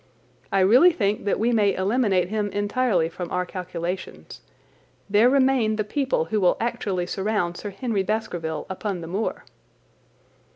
I really think that we may eliminate him entirely from our calculations. There remain the people who will actually surround Sir Henry Baskerville upon the moor."